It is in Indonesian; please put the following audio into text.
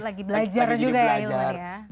lagi belajar juga ya hilman ya